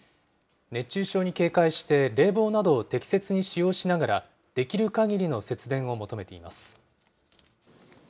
熱中症に警戒して、冷房などを適切に使用しながら、できるかぎりの節電を求めています。